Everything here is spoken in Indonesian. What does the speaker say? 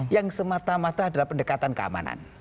yang semata mata adalah pendekatan keamanan